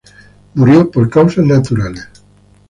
Murió por causas naturales.